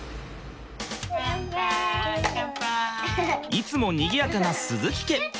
いつもにぎやかな鈴木家。